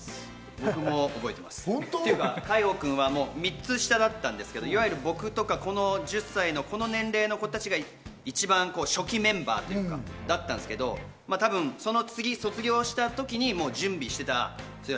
僕も覚えてますっていうか、海宝君は３つ下だったんですけど僕とか、この１０歳の年齢の子たちが一番初期のメンバーだったんですけど、多分その次、卒業した時にもう準備してた。